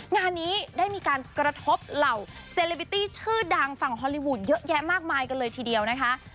งานนี้ได้มีการกระทบเหล่าเซลิบิตตี้ชื่อดังฝั่งฮอลลีวูดเยอะแยะมากมายกันเลยทีเดียวนะคะ